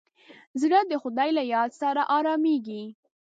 زړه د خدای له یاد سره ارامېږي.